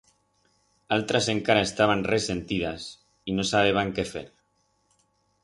Altras encara estaban resentidas y no sabeban qué fer.